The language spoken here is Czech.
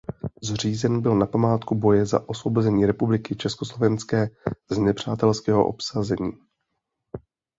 Zřízen byl "Na památku boje za osvobození republiky Československé z nepřátelského obsazení".